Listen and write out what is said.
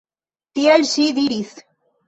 Tiel ŝi diris.